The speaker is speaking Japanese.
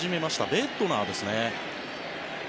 ベッドナーですね。